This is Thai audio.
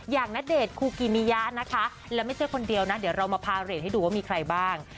ณเดชน์คูกิมิยะนะคะและไม่ใช่คนเดียวนะเดี๋ยวเรามาพาเรทให้ดูว่ามีใครบ้าง